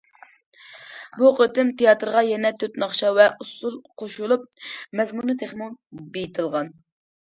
بۇ قېتىم تىياتىرغا يەنە تۆت ناخشا ۋە ئۇسسۇل قوشۇلۇپ، مەزمۇنى تېخىمۇ بېيىتىلغان.